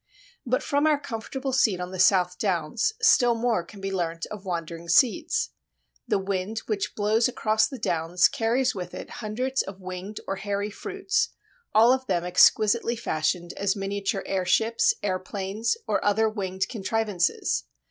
But from our comfortable seat on the South Downs, still more can be learnt of wandering seeds. The wind which blows across the downs carries with it hundreds of winged or hairy fruits, all of them exquisitely fashioned as miniature airships, aeroplanes, or other winged contrivances.